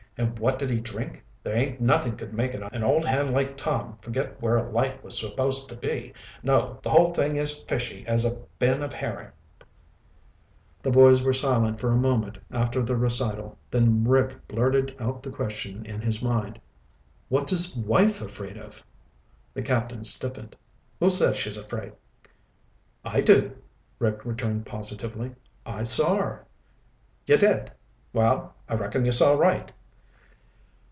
And what did he drink? There ain't nothing could make an old hand like Tom forget where a light was supposed to be. No, the whole thing is fishy as a bin of herring." The boys were silent for a moment after the recital, then Rick blurted out the question in his mind. "What's his wife afraid of?" The captain stiffened. "Who says she's afraid?" "I do," Rick returned positively. "I saw her." "You did? Well, I reckon you saw right."